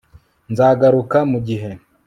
nzagaruka mugihe